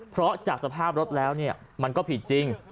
เพราะจากสภาพรถแล้วเนี่ยมันก็ผิดจริง